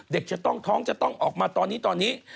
เด็กจะต้องท้องจะต้องออกมาตอนนี้ตอนนี้